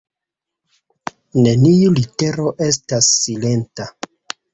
Neniu litero estas silenta.